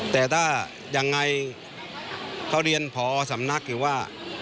แต่ถ้ายังไงเขาเรียนพอสำนักอยู่ว่า